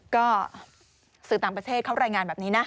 ก็สื่อต่างประเทศเขารายงานแบบนี้นะ